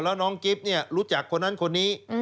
แล้วน้องกิ๊บเนี่ยรู้จักคนนั้นคนนี้